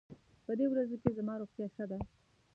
په دې ورځو کې زما روغتيا ښه ده.